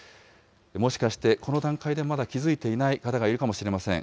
もしかしてこの段階でまだ気づいていない方がいるかもしれません。